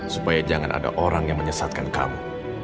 supaya jangan ada orang yang menyesatkan kamu